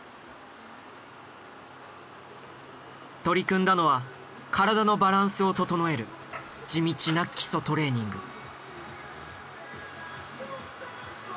取り組んだのは体のバランスを整える地道な基礎トレーニング。